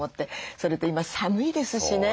それと今寒いですしね。